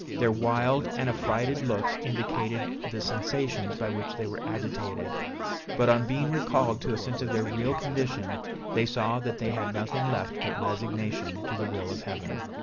Their wild and affrighted looks indicated the sensations by which they were agitated; but on being recalled to a sense of their real condition, they saw that they had nothing left but resignation to the will of heaven.